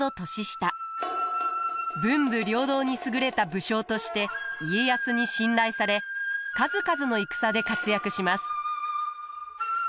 文武両道に優れた武将として家康に信頼され数々の戦で活躍します。